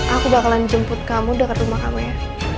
aku bakalan jemput kamu dekat rumah kamu ya